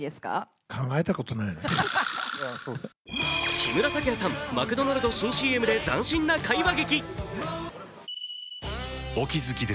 木村拓哉さん、マクドナルド新ＣＭで斬新な会話劇。